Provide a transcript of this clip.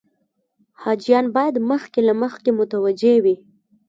حاجیان باید مخکې له مخکې متوجه وي.